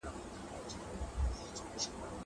انځورونه د زهشوم له خوا رسم کيږي.